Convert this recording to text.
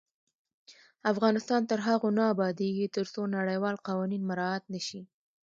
افغانستان تر هغو نه ابادیږي، ترڅو نړیوال قوانین مراعت نشي.